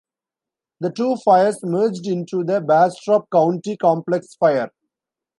The two fires merged into the Bastrop County Complex fire.